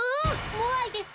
モアイです！